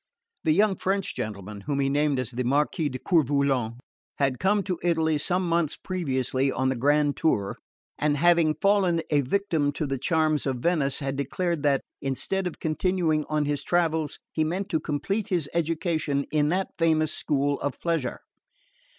The young French gentleman (whom he named as the Marquis de Coeur Volant) had come to Italy some months previously on the grand tour, and having fallen a victim to the charms of Venice, had declared that, instead of continuing on his travels, he meant to complete his education in that famous school of pleasure.